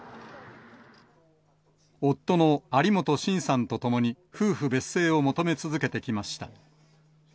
夫の有本信さんと共に、夫婦別姓を求め続けてきました。